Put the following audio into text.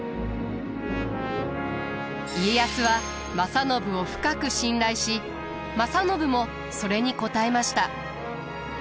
家康は正信を深く信頼し正信もそれに応えました。